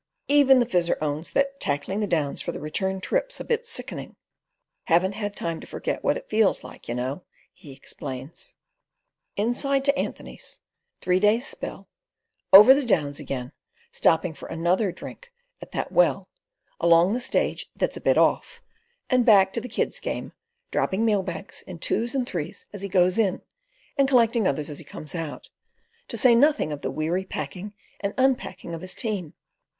Even the Fizzer owns that "tackling the Downs for the return trip's a bit sickening; haven't had time to forget what it feels like, you know," he explains. Inside to Anthony's, three days' spell, over the Downs again, stopping for another drink at that well, along the stage "that's a bit off," and back to the "kid's game," dropping mail bags in twos and threes as he goes in, and collecting others as he comes out, to say nothing of the weary packing and unpacking of his team.